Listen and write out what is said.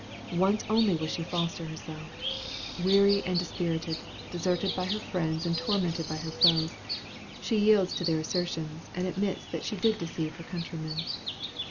Once only was she false to herself. Weary and dispirited; deserted by her friends, and tormented by her foes, she yields to their assertions, and admits that she did deceive her countrymen.